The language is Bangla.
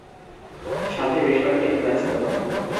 সাথে বেশ কয়েকটি ঘোড়া ছিল।